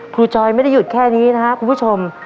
จอยไม่ได้หยุดแค่นี้นะครับคุณผู้ชม